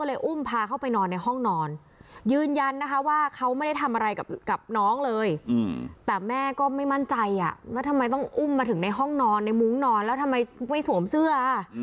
แล้วทำไมต้องอุ้มมาถึงในห้องนอนในมุ้งนอนแล้วทำไมไม่สวมเสื้อ